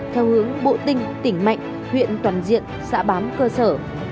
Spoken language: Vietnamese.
theo hướng bộ tinh tỉnh mạnh huyện toàn diện xã bám cơ sở